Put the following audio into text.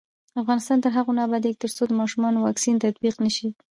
افغانستان تر هغو نه ابادیږي، ترڅو د ماشومانو واکسین تطبیق نشي.